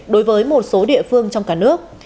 đối với một số địa phương trong cả nước